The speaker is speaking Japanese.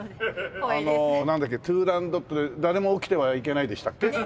あのなんだっけ『トゥーランドット』で「誰も起きてはいけない」でしたっけ？